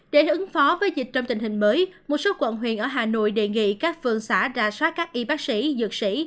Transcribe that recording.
để ứng phó với dịch trong tình hình mới một số quận huyện ở hà nội đề nghị các phường xã ra soát các y bác sĩ dược sĩ